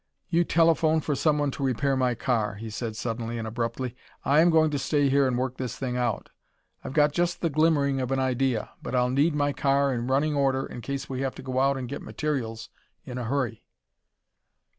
"You telephone for someone to repair my car," he said suddenly and abruptly. "I am going to stay here and work this thing out. I've got just the glimmering of an idea. But I'll need my car in running order, in case we have to go out and get materials in a hurry."